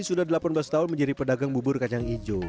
sudah delapan belas tahun menjadi pedagang bubur kacang hijau